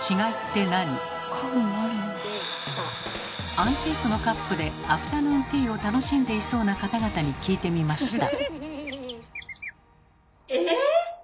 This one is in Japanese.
アンティークのカップでアフターヌーンティーを楽しんでいそうな方々に聞いてみました。